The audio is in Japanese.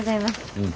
うん。